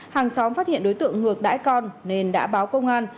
hàng xóm phát hiện đối tượng ngược đãi con nên đã báo công an